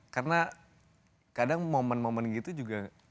karena kadang momen momen gitu juga